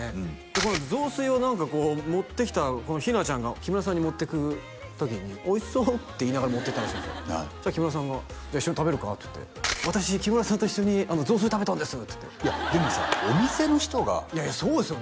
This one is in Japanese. このあと雑炊を何かこう持ってきたこのひなちゃんが木村さんに持ってく時に「おいしそう」って言いながら持ってったらしいんですよそしたら木村さんが「一緒に食べるか」って言って「私木村さんと一緒に雑炊食べたんです」って言っていやでもさお店の人がいやいやそうですよね